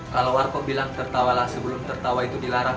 kalau warko bilang tertawalah sebelum tertawa itu dilarang